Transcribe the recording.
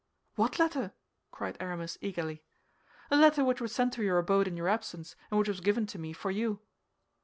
"What letter?" cried Aramis, eagerly. "A letter which was sent to your abode in your absence, and which was given to me for you."